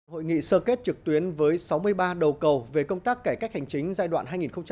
hội nghị sơ kết trực tuyến với sáu mươi ba đầu cầu về công tác cải cách hành chính giai đoạn hai nghìn một mươi sáu hai nghìn hai mươi